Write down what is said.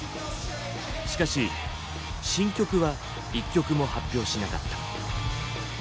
しかし新曲は一曲も発表しなかった。